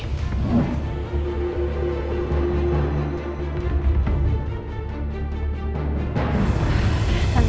tante aku permisi dulu ya tante